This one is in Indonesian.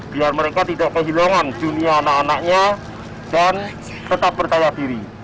biar mereka tidak kehilangan dunia anak anaknya dan tetap percaya diri